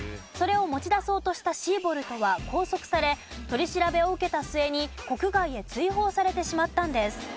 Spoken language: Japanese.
それを持ち出そうとしたシーボルトは拘束され取り調べを受けた末に国外へ追放されてしまったんです。